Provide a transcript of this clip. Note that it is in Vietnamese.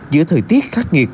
giữa thời tiết khắc nghiệt